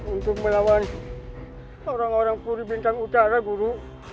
untuk melawan orang orang kuribintang utara guru